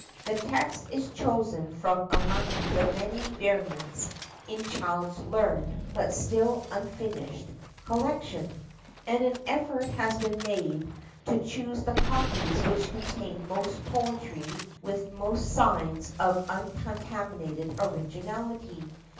The text is chosen from among the many variants in Child's learned but still unfinished collection, and an effort has been made to choose the copies which contain most poetry with most signs of uncontaminated originality.